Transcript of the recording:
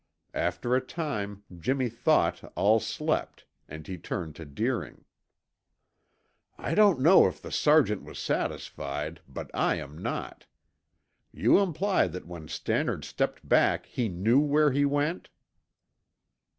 After a time Jimmy thought all slept and he turned to Deering. "I don't know if the sergeant was satisfied, but I am not. You imply that when Stannard stepped back he knew where he went?"